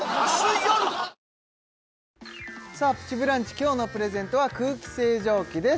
今日のプレゼントは空気清浄機です